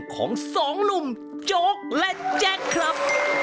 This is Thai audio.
ของสองหนุ่มโจ๊กและแจ็คครับ